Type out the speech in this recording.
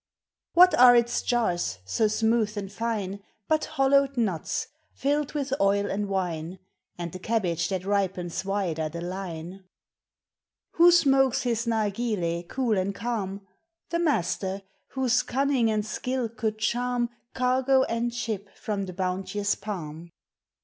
What are its jars, so smooth ami tine But hollowed nnts, filled with oil and wine. And the cabbage that ripens wider the Une. 230 POEMS OF XATURE. Who smokes his nargileh, cool and calm? The master, whose cunning and skill could charm Cargo and ship from the bounteous palm.